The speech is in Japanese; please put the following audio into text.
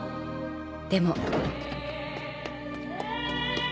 でも